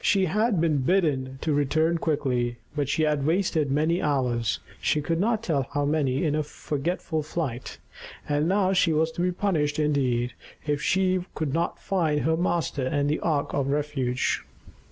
She had been bidden to return quickly; but she had wasted many hours she could not tell how many in her forgetful flight. And now she was to be punished indeed, if she could not find her master and the ark of refuge.